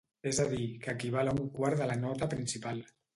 És a dir que equival a un quart de la nota principal.